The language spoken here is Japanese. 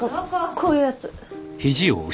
こういうやつ？